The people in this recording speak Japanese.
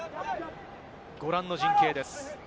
ご覧の陣形です。